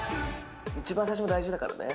一番最初、大事だからね。